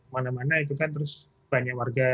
mana mana itu kan terus banyak warga